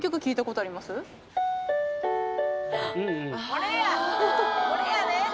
これやね！